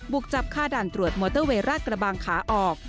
กจับฆ่าด่านตรวจมอเตอร์เวย์ราชกระบังขาออก